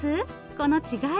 この違い。